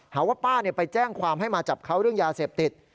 หาว่าป้าไปแจ้งความให้มาจับเขาเรื่องยาเสพติด